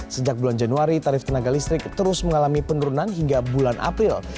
sejak bulan januari tarif tenaga listrik terus mengalami penurunan hingga bulan april